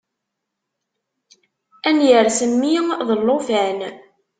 Ad n-yers mmi d llufan.